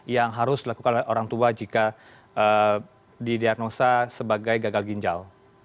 yang harus dilakukan oleh orang tua jika didiagnosa sebagai gagal ginjal